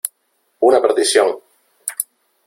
¡ una perdición !...